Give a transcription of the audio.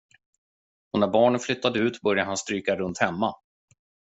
Och när barnen flyttade ut började han stryka runt hemma.